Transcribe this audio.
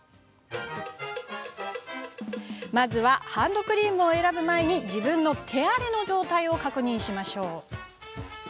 まずはハンドクリームを選ぶ前に自分の手荒れの状態を確認しましょう。